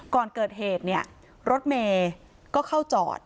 ก่อนเกิดเหตุเนี่ยรถเมย์ก็เข้าจอด